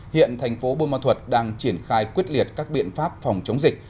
hiện thành phố bô ma thuật đang triển khai quyết liệt các biện pháp phòng chống dịch